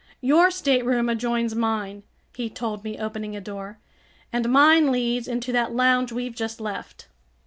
"Your stateroom adjoins mine," he told me, opening a door, "and mine leads into that lounge we've just left."